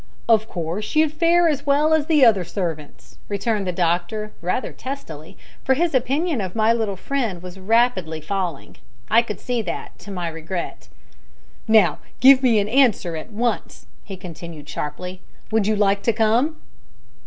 "Of course you'd fare as well as the other servants," returned the doctor, rather testily, for his opinion of my little friend was rapidly falling; I could see that, to my regret. "Now give me an answer at once," he continued sharply. "Would you like to come?"